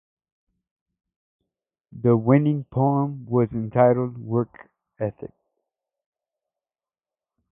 The winning poem was entitled "Work Ethic".